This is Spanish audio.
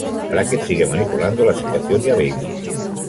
Brackett sigue manipulando la situación y a Bailey.